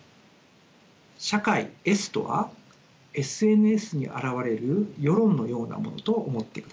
社会とはＳＮＳに現れる世論のようなものと思ってください。